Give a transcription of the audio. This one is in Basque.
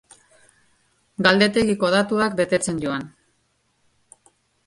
Galdetegiko datuak betetzen joan.